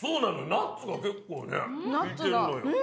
ナッツが結構効いてるのよ。